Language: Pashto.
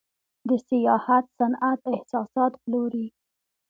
د سیاحت صنعت احساسات پلوري.